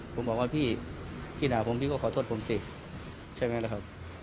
ผมบอกว่าพี่พี่ด่าผมพี่ก็ขอโทษผมสิใช่ไหมล่ะครับ